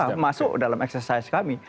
oh iya masuk dalam eksersis kami